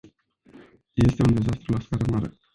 Este un dezastru la scară mare.